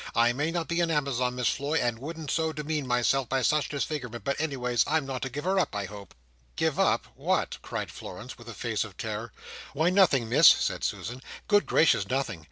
I may not be a Amazon, Miss Floy, and wouldn't so demean myself by such disfigurement, but anyways I'm not a giver up, I hope." "Give up! What?" cried Florence, with a face of terror. "Why, nothing, Miss," said Susan. "Good gracious, nothing!